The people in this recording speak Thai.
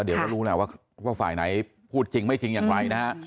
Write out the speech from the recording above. เดี๋ยวก็รู้แหละว่าฝ่ายไหนพูดจริงไม่จริงอย่างไรนะฮะ